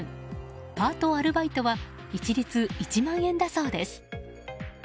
パート、アルバイトは一律１万円だそうです。